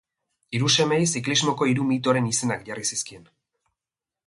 Hiru semeei ziklismoko hiru mitoren izenak jarri zizkien.